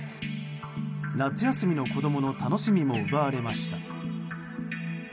夏休みの子供の楽しみも奪われました。